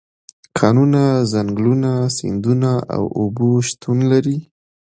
کانونه، ځنګلونه، سیندونه او اوبه شتون لري.